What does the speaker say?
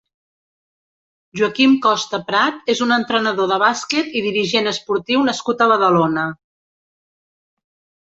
Joaquim Costa Prat és un entrenador de bàsquet i dirigent esportiu nascut a Badalona.